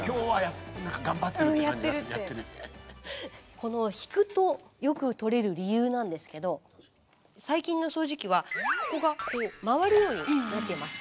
この引くとよく取れる理由なんですけど最近の掃除機はここが回るようになっています。